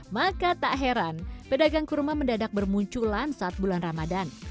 maka tak heran pedagang kurma mendadak bermunculan saat bulan ramadan